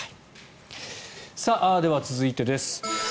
では、続いてです。